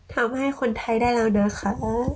ทำให้คนไทยได้แล้วนะคะ